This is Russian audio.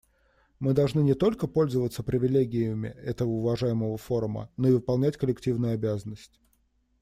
Мы должны не только пользоваться привилегиями этого уважаемого форума, но и выполнять коллективную обязанность.